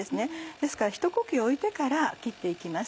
ですからひと呼吸置いてから切って行きます。